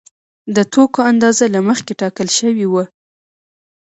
د توکو اندازه له مخکې ټاکل شوې وه